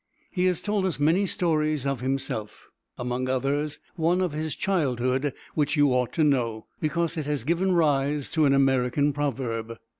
He has told us many stories of himself; among others, one of his childhood which you ought to know, because it has given rise to an American proverb.